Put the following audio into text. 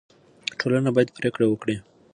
ټولنه باید پرېکړه وکړي.